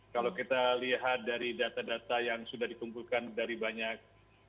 kalau kita lihat dari data data yang sudah dikumpulkan dari banyak